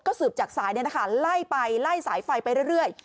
ก็สืบจากสายเนี้ยนะคะไล่ไปไล่สายไฟไปเรื่อยเรื่อย